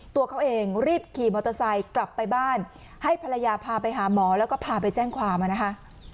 ตัวเขาเองรีบขี่มอเตอร์ไซค์กลับไปบ้านให้ภรรยาพาไปหาหมอแล้วก็พาไปแจ้งความนะคะ